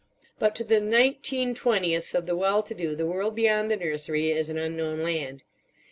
But to the nineteen twentieths of the well to do the world beyond the nursery is an unknown land.